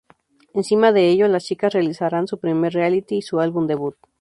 Encima de ello, las chicas realizarán su primer reality y su álbum debut.